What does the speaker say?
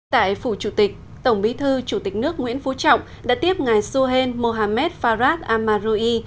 tại phủ chủ tịch tổng bí thư chủ tịch nước nguyễn phú trọng đã tiếp ngài suhen mohamed farad amaroui